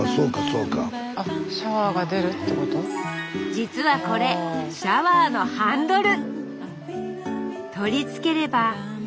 実はこれシャワーのハンドル。